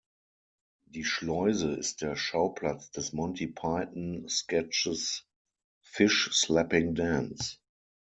Die Schleuse ist der Schauplatz des Monty Python-Sketchs "Fish-Slapping Dance".